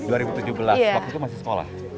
dua ribu tujuh belas waktu itu masih sekolah